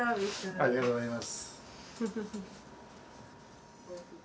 ありがとうございます。